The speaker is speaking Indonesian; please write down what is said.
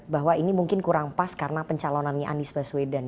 bahwa ini mungkin kurang pas karena pencalonannya anies baswedan